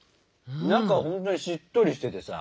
中ほんとにしっとりしててさ。